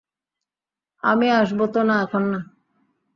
আমি আসবোতো না, এখন না।